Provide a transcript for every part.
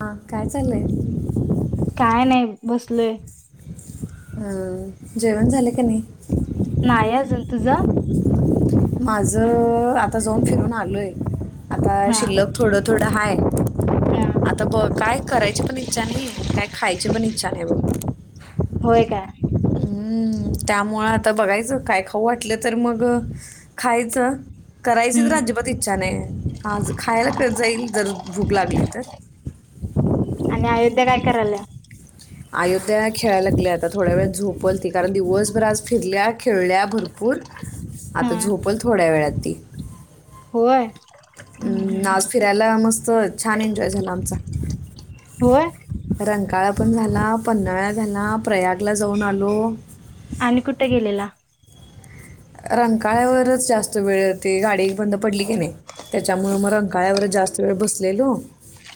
हा काय चाललंय. काय नाही बसलोय. हम्म जेवण झाले का नाही. नाही अजून तुझा. माझं आता जाऊन फिरून आलोय. आता हा शिल्लक थोडं. थोडा हाय. हा आता बग काय करायची पण इच्छा नाही. आणि काय खायची पण इच्छा नाही बग. होय काय. हम्म त्यामुळ आता बघायचं काय खाऊ वाटलं तर मग खायचं. करायची तर हम्म आजिबात इच्छा नाही. आज खायला कस जाईल जर भूक लागली तर आणि अयोध्या काय कराल्या? अयोध्या खेळायला लागल्या आता थोड्या वेळात झोपल ती कारण दिवसभर आज फिरल्या खेळल्या भरपूर हा आता झोपल थोड्या वेळात ती. होय. अम् हम्म आज फिरायला मस्त छान एन्जॉय झाला आमचा. होय. रंकाळा पण झाला पन्हाळा झाला प्रयागला जाऊन आलो. आणि कुठे गेलेला? रंकाळ्यावरच जास्त त वेळ ते गाडी एक बंद पडली. घे नाही त्याच्यामुळ मग रंकाळ्यावरचं जास्त वेळ बसलेलो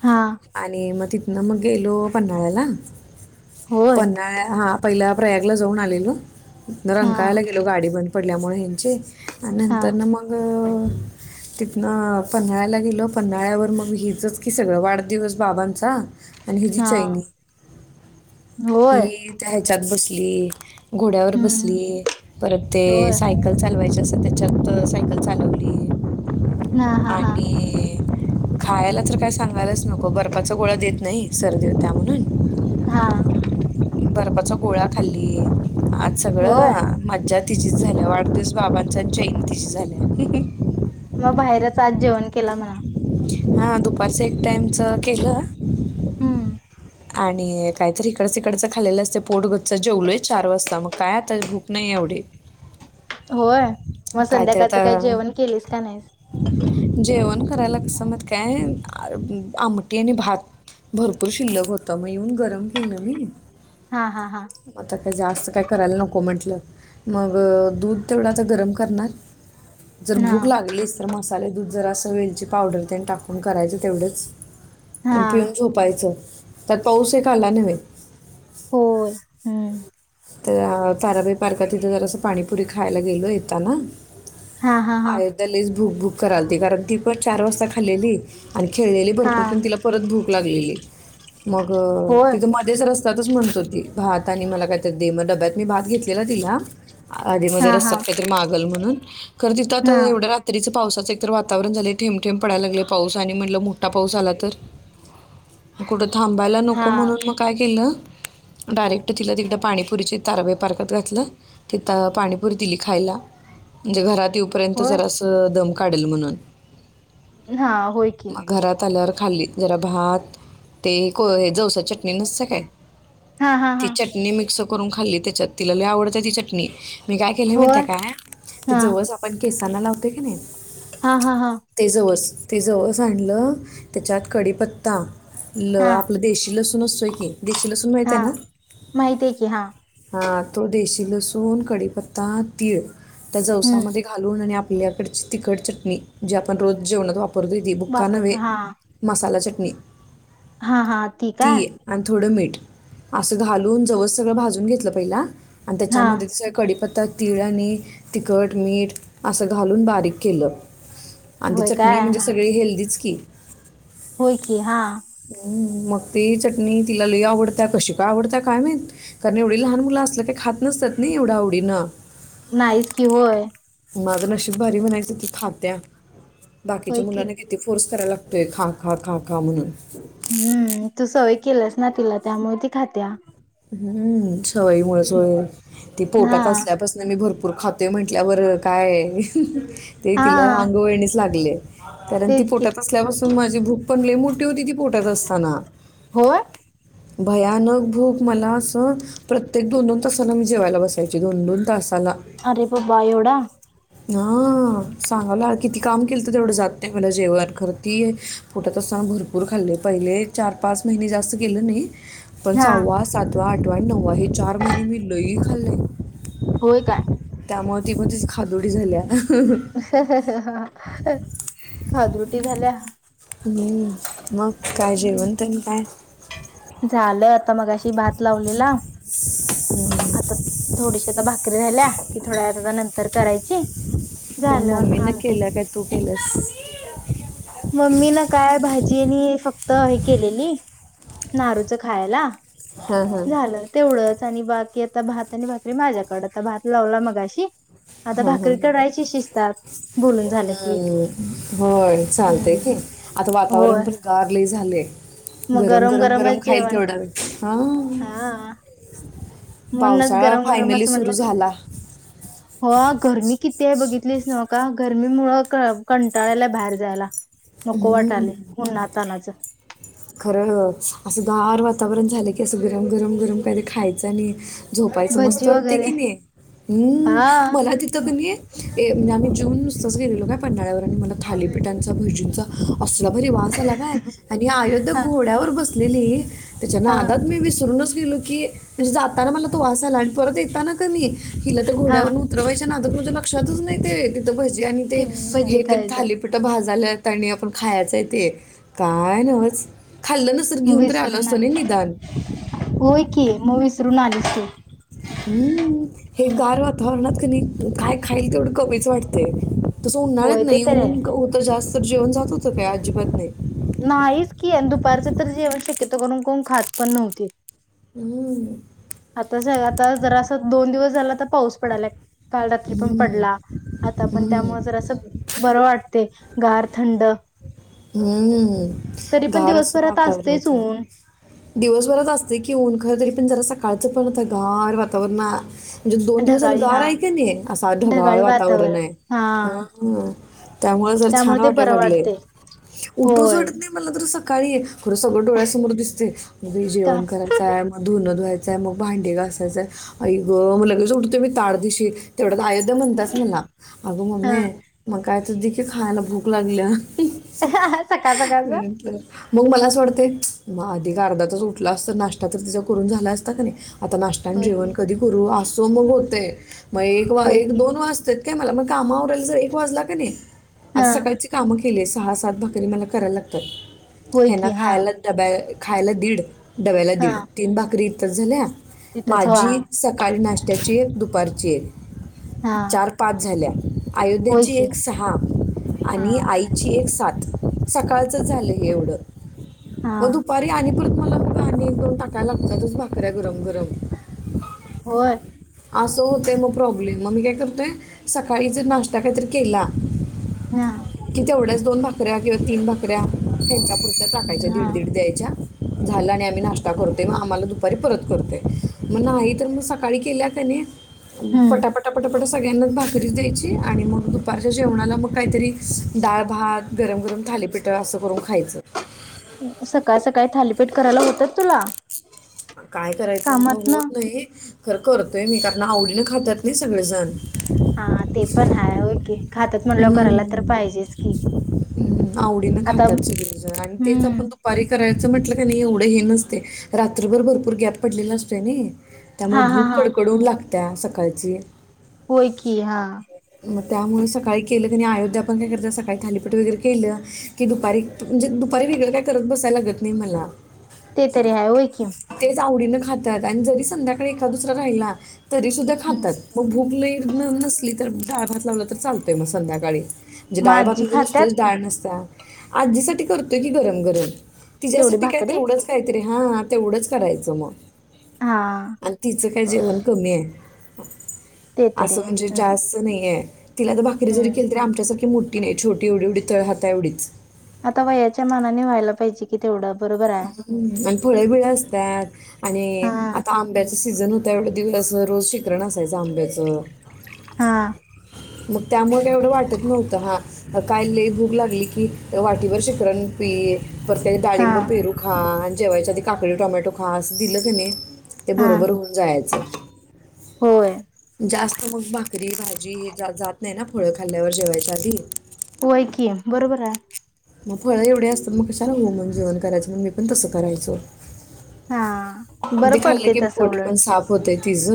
हा आणि मग ति नम गेलो पन्हाळ्याला होय पन्हाळ्या हा पहिला प्रयागला जाऊन आलेलो. न हा रंकाळ्याला गेलो गाडी बण पडल्यामुळं ह्यांचे आण हा नंतरन मग तिथनं पन्हाळ्याला गेलो पन्हाळ्यावर मग हिचंच कि सगळं वाढदिवस बाबांचा आणि हि जी हा चैनी होय हि त्या ह्याच्यात बस ली. घोड्यावर हम्म बसली परत हे होय सायकल चा लवायचे असल त्याच्यात सायकल चालवली. ह हा हा. खायाला तर काय सांगायलाच नको बर्फाचा गोळा देत नाही सर्दी होत्या म्हणून हा बर्फाचा गोळा खाल्ली. आज सगळं होय आ मज्जा तिचीचं झाल्या वाढदिवस बाबांचा अन् चैन तिजी झाल्या. मग बाहेरच आज जेवण केलं म्हणा. हा दुपारचं एक त्यांचं केलं. हम्म आणि काहीतरी तिकडचं खाल्लेलं असतंय पोट गच्च हाय, जेवलोय चार वाजता मग काय आता भूक नाही एवढी. होय मग काहीतरी संध्याकाळचं काही आता जेवण केलीस का नाय? जेवण करायला कसं माहित काय, आमटी आणि भात भरपूर शिल्लक होतं. त म येऊन गरम केलं मी. हा हा हा आता काय जास्त काय करायला नको. हो म्हंटल, मग दूध तेवढं आता गरम करणार. जर हा भूक लागलीच तर मसाले दूध जरासं वेलची पावडर ते टाकून करायचं तेवढंच. हा आणि पिऊन झोपायचं. त्यात पाऊस एक आला नव्हे. होय हम्म तर ताराबाई पार्कात तिथं जरासं पाणीपुरी खायला गेलो येताना. हा हा हा आयोध्या लईच भूक भूक करालती, कारण ती चार वाजता खाल्लेली आणि खेळलेली भरपूर, हा तेन तिला परत भूक लागलेली. मग होय तिथं मध्येच रस्त्यातच म्हणत होती ते भात आणि मला काही दे म डब्यात मी भात घेतलेला तिला. आधी मध्ये हा हा रस्त्यात काहीतरी मागल म्हणून. खरं तिथं हा आता एवढ्या रात्रीचं पावसाचं एक तर वातावरण झालंय. थेंब थेंब पडायला लागलंय पाऊस आणि म्हटलं मोठा पाऊस आला तर कुठं थांबायला हा नको, म्हणून मग काय केलं डायरेक्ट तिला तिकडं पाणीपुरीची तारबाई पार्कात घातलं तिथ पाणीपुरी दिली खायला. म्हणजे घरात येऊ पर्यंत होय जरासं दम काढील म्हणून हा होय की मग घरात आल्यावर खाल्ली. जरा भात ते कोय जवसाची चटणी नसत्या काय, हा हा ती हा चटणी मि करून खाल्ली त्याच्यात तिला लई आवडत्या ती चटणी. मी काय केलंय माहिती होय आहे काय? ते हा जवस पण कीस त्याला लावतोय की नाही. हा हा हा ते जवस ते जवस आणलं, त्याच्यात कडीपत्ता ल हा आपलं देशी लसू तो नसतोय की. देशी लसून माहित हा आहे ना. माहित आहे की हा हा तो देशी लसूण, कढीपत्ता, तीळ त्या हम्म जवसामध्ये घालून आणि आप आपल्याकडची तिखड चटणी जी आपण रोज जेवणात वाप ती बुका वापरत नवे हा मसाला चट [inaudible] हा हा ती काय? मीठ असं घालून जवस सगळं भाजून घेतलं पहिला. आणि हा त्याच्यामध्ये ज कडीपत आता तिळ आणि तिखट मीठ असं घालून बारीक केलं. आणि ती होय चटणी काय म्हणजे हा सगळी हेल्दीच की. होय की हा हम मग तेी चटणी तिला लोई आवडत कशी काय आवडत काय नाहीत कारण एवढी लहान मुलं असल काही खात नसतात नाही एवढ्या आवडीनं नाहीच की होय माझ अशी बरी म्हणाय त ती खात्या होय बाकीच्या की मुलांना किती फोर्स करायला लागतोय खाका काका म्हणून हम्म तू सव एक केलाच नाला त्यामुळे खात्या हम्म सवारीमुळेचोय ती हा पोटात असल्यापासून मी भरपूर पूर खातो म्हटल्या बरं काय ते हा तिला अंगवळणीच लागले कारण ती तेच की पोटात असल्यापासून माझी भूक पलेू [inaudible] कठे तिथे पोटात असताना होय भयानक भूक मला असं प्रत्येक दोन दोन तासाला मी जेवायला बसायची दोन दोन तासाला अरे बाबा एवढा हा सांगावला किती काम केलं तर तेवढं जात नाही मला जेवण कररती पोटत असताना भरपूर खाल्ले पहिले चार पाच महिने जास्त केलं नाही पण हा सहावा सातवा त आठ वा नऊवा हे चार महिने मी लय खाल्ली आहे होय काय त्यामुळे ती पण तीच खादोडी झाल्या हंहंहं हा खादरुटी झाल्या हम मग काय हम्म जेवण तेन काय? [inaudible] झालं आता मगाशी भात लावलेला आता थोडीशी आता भा... करी राल्या ती थोड्या वेळात आता नंतर करायची कोण झालं मम्मीन आमटी केल्या काय तू केल्यास मम्मीनं काय भाजी आणि फक्त हे केलेली नारूच खायला हां हां झालं तेवढंच आणि बाकी आता भात आणि भाकरी माझ्याकड आता भात लावला मगाशी आता ह ह भाकरी ह करायची शिजतात बोलून झालं की हम् होय. चालतय हम्म की आता वातावरण होय पण गार लई झालय. मग गरम गरम गरम गरमच खाईल जेवण तेवढ हा. हा म्हणूनच पावसाळा गरम फायनली सुरू झाला. हा गरमी कितीये बघितलीस नव्हं का? गरमीमुळं कंटाळा यालाय बाहेर जायला नको हम्म वाटालय उन्हा तानाच खरं असं गार वा वातावरण झालं की असं गरम गरम गरम काही तेे खायचं आणि झोपायचं मस्त भज्जी वाटते वगैरे की नाही, हम्म हा मला तिथं कनी ए आम्ही जेवुन नुसतंच गेलेलो पन्हाळ्यावर आणि मला थालीपीठांच भजीं चा. असला भारी वास आला काय, आणि अयोध्या हा घोड्यावर बस लेली. तिच्या हा नादात मी विसरूनच दिल की म्हणजे जाताना मला तो वास आला आणि परत येताना कनी हिला तर हा घोड्यावर उतरवायच च्या नादात माझ्या लक्षातच नाही ते. भजी आणि ते कि हे भज्जी तेन खायचं थालीपीठं भाजाल्यात आणि आपण खायच आहे ते काय नव्हच विसरून आले, होय की म विस रुण आलीस तू. हम्म हे गार वातावरणात कणी काय खाईल तेवढं कमीच वाटतय. तसं उन्हाळ्यात होय ते नाही, तर आहे ऊन होत जास्त जेवण जात होत ते अजिबात नाही. नाहीच की, आणि दुपारच तर जेवण शक्यतो करून कोण खात पण नव्हती. हम्म, आतास आता जरास दोन दिवस झाल आता पाऊस पडालाय. काल रात्री पण हम्म, पडला. आता पण त्यामुळ हम्म, जरासं बरं वाट- - ते गार, थंड. हम्मम. तरी पण गार अस दिवसभरात वातावरण, असतेच ऊन दिवसभरात असते कि ऊन खर तरी पण जरा स कालच पण आता गार वातावरणा. दोन दिवस झाल ढगाळी गार हा आहे की नीई, असा ढगाळ ढगाळी वातावरण वातावरणे, हा ह त्यामुळे जर छान ते वाटाय बरं लागलय. वाटते उटूच होय वाटत नाइ मला तर स काळी. खरं सगळं डोळ्यासमोर दिसतय, [unintelligible] का जेवण करायचाय म धुन धुवाय- चाय, मग भांडे घायचाय, आई ग म लगेच उटतोय बाई ताडदिशी तेवढ्यात म्हणत्याच मला. अग हा मम्मे- कायतर दे की खायला भूक लागलिये. [unintelligible] सकाळ सकाळच- मग मला अस वाटतय, मग आधी एक अर्धा तास उठला असत नाष्टा तर तिचा करून झाला असता कनी- आता नाष्टा आणि होय की जेवण कधी करू आ- गोंधळ होतय. म एक वा होय एक की दोन वाजत्यात. काय मला मग काम आवरायला जर एक वाजला कनी- आता हा सकाळची कामं- केली अस- सहा, सात भाकरी मला कराय लागत्यात. होय हेना की हा खायला डब्या- खायला दीड- डब्याला हा दीड, तीन भाकरी- आताच झाल्या- तिथंच हो हा माझी सकाळी नाश- ट्याची, दुपारची- हा चार पाच झाल्या. होय आयोध्याची की एक सहा, हा आणि आई- एक सात. सकाळचंच झालंय हे हा एवढं- म दुपारी आणि‌ परत- मला पन आणि एक दोन टाकायला लागत्यातच भाकऱ्या गरम गरम. होय. अस होतय मग प्रॉब्लेम. मग मी काय करतोय सकाळी जर नास्टा कायतर केला- हा की तेवढ्याच दोन भाक- कऱ्या किंवा तीन भाकऱ्या हेच्या पु- त्या टाकायच्या हा दीड दीड द्यायच्या- झालं आणि आम्ही नाश्ता करतोय मग आम्हाला दुपारी परत करतोय मग नाही तर मग सकाळी केल्या कनी- हम्म पटापटा पटा- सगळ्यांनाच भाकरीच द्यायची आणि मग दुपारच्या जेवणाला मग काहीतरी- डाळ भात- गरम गरम‌ थालीपीठ असं करून खा- सकाळ सकाळी थालीपि पीठ करायला होत्यात तुला? काय करायचं कामात मग ना होत नाही. खरं करतोय मी कारण आवडीनं खातात नाय सगळेजण हा ते पण हाय होय की, खातात म्हणल्यावर करायला तर हम पाहिजेच की आवडीन आता खात्यात सगळीजन आणि तेच आपण हम्म दुपारी करायच. म्हटलं का नाही एवढं हे नसते रात्रभर भरपूर गॅप पडलेला असतोय नई त्यामुळे हा हा भूक हा कडकडून लागते. त्या सकाळची होय की हा मग त्यामुळे सकाळी केलं कनी अयोध्या पण काय करत्या सकाळी थालीपीठ वगैरे केलं की दुपारी म्हणजे दुपारी वेगळ काय करत बसायला लागत नाही मला. ते तरीे हाय होय कि तेच आवडीनं आणि जरी संध्याकाळी एका दुसरा राहिला तरी सुद्धा खातात मग भूक नयी नसली, तर डाळ भात लावला तर चालतो. ते मग संध्याकाळी, म्हणजे डाळभात आजी म्हणजे खात्यात नुसतीच डाळ नसत्या आज्जीसाठी, करतोय की गरम गरम तेवढी तिच्यासाठी काय भाकरी तेवढंच काहीतरी हा तेवढंच करायचं मग हा आणि तिचं काय जेवण कमी आहे. ह ते तरी असं आहे म्हणजे हम्म जास्त नाहीये. तिला जरी हम्म केलं तरी आमच्यासाठी की मोठी नाही छोटी एवढी एवढी तळहाताएवढीच आता वयाच्या मानाने व्हायला पाहिजे कि तेवढं बरोबर आहे आणि फळे बिळ असतात आणि हा आता आंब्याच सीझन होता. एवढ दिवस रोज सिकरण असायचं आंब्याचं हा मग त्यामुळे येवढं वाटत हो का हा काय लय भूक लागली की वाटीवर शिखरण पि, पर का हा डाळिंब, पेरू खा. जेवायच्या आधी काकडी टोमॅटो खा असं दिलं कणी ते हा बरोबर होऊन जायचं होय जास्त मग भाकरी भाजी जी... जात नाही ना फळं खाल्ल्यावर जेवायच्या आधी... होय कि ये बरोबर आहे मग फळ एवढे असत. मग कशाला हुं म्हणून जेवन करायचं मी पण तसं करायचं. हा बरं पडतय तसं उलट.. तिज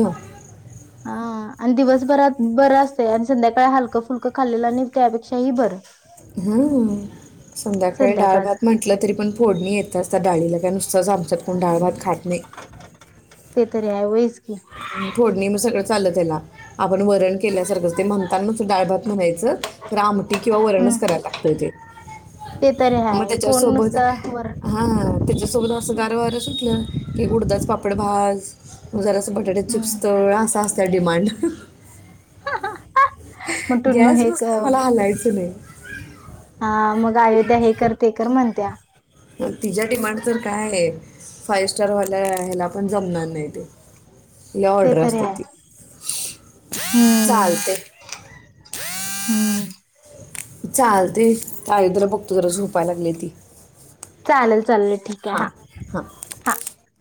हा आणि दिवसभरात बरं असते आणि संध्याकाळी हलकं फुलकं खाल्लेलं नाही त्यापेक्षाही बरं.. हा संध्याकाळी डाळ संध्याकाळच भात म्हटलं तरी पण फोडणी येत असता डाळीला काय नुसत. असंच आमच्यात कोण डाळभात खात नाही. तररे आहे वसकी. फोडणी सगळं चाललं त्याला आपण वरण केल्यासारखं ते म्हणता म डाळभात म्हणायचं तर आम.. किंवा हम्म वरणच करायला लागतय ते ते तरी मग हाय कोण त्याच्यासोबत नुसता वर हा त्याच्यासोबत असं गार वार सुटलं. की उडदाच पापड भाज जरासं भजी बटाटो चिप्स हम्म तळ असं. डिमांड मग टुन्नू गॅस हे क बसण मला हलायचं नाही ह हा मग अयोध्या हे कर ते कर म्हणतीया तिचा डिमांड तर काय आहे फाइव स्टारवाल्या ह्याला पण जमणार नाही ते.. लय ते ऑर्डर तरी असते आहे. ती हम्म! चालते हम्म! चालतंय ताईडीला बघतो जरा झोपाय लागली ती. चालेल, चालेल ठीक आहे. हां हां हा. हा.